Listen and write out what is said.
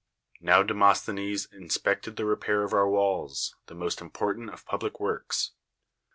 Now De mosthenes inspected the repair of our walls, the most important of public works.